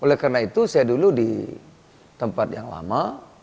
oleh karena itu saya dulu di tempat yang lama